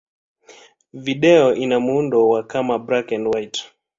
Video ina muundo wa kama black-and-white.